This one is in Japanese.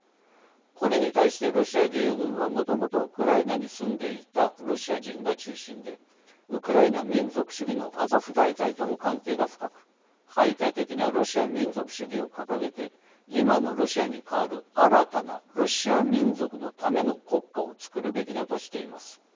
これに対してロシア義勇軍はもともとウクライナに住んでいたロシア人が中心でウクライナ民族主義のアゾフ大隊とも関係が深く排他的なロシア民族主義を掲げて今のロシアに代わる新たなロシア民族のための国家を作るべきだとしています。